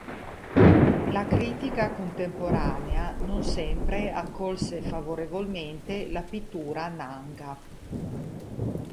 La critica contemporanea non sempre accolse favorevolmente la pittura nanga.